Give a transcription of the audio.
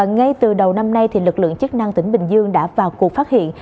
ngay từ đầu năm nay lực lượng chức năng tỉnh bình dương đã vào cuộc phát hiện